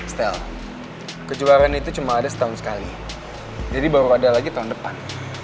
stel kejuaraan itu cuma ada setahun sekali jadi baru ada lagi tahun depan